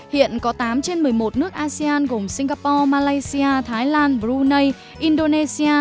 hiện có tám trên một mươi một nước asean gồm singapore malaysia thái lan brunei indonesia